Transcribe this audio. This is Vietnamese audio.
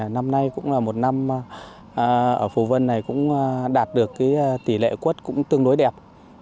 năm nay cũng là một năm ở phù vân này cũng đạt được tỷ lệ quất cũng tương đối đẹp